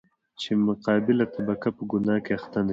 چـې مـقابله طبـقه پـه ګنـاه کـې اخـتـه نـشي.